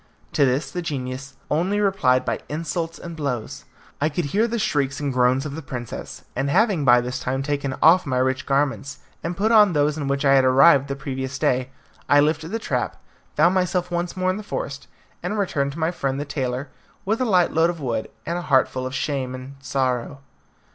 To this the genius only replied by insults and blows. I could hear the shrieks and groans of the princess, and having by this time taken off my rich garments and put on those in which I had arrived the previous day, I lifted the trap, found myself once more in the forest, and returned to my friend the tailor, with a light load of wood and a heart full of shame and sorrow.